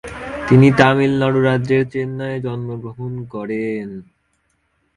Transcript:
তিনি তামিলনাড়ু রাজ্যের চেন্নাইয়ে জন্মগ্রহণ করেন।